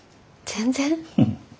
全然？